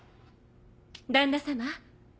旦那様。